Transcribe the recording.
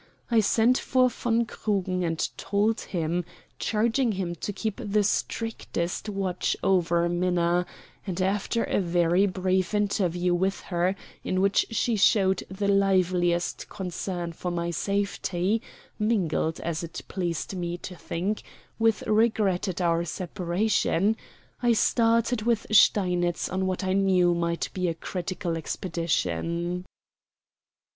I sent for von Krugen and told him, charging him to keep the strictest watch over Minna; and after a very brief interview with her, in which she showed the liveliest concern for my safety, mingled, as it pleased me to think, with regret at our separation, I started with Steinitz on what I knew might be a critical expedition.